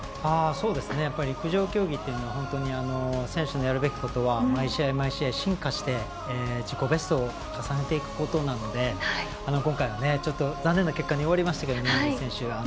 陸上競技って本当に選手のやるべきことは毎試合、毎試合進化して自己ベストを重ねていくことなので今回はちょっと残念な結果になりましたけど日本人選手は。